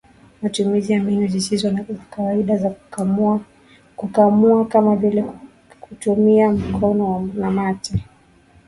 Matumizi ya mbinu zisizo za kawaida za kukamua kama vile kutumia mkojo na mate